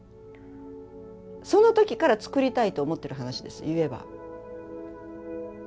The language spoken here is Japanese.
その時から作りたいと思ってる話です言えば。